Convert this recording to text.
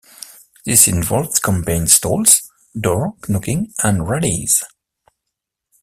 This involved campaign stalls, door knocking and rallies.